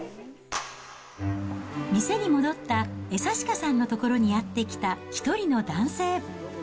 店に戻った江刺家さんの所にやって来た１人の男性。